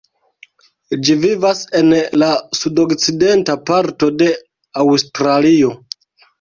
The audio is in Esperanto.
Ĝi vivas en la sudokcidenta parto de Aŭstralio.